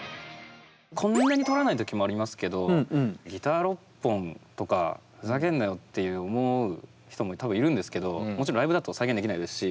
こんなにとらない時もありますけどギター６本とかふざけんなよって思う人も多分いるんですけどもちろんライブだと再現できないですし。